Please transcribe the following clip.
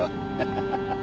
ハハハハ！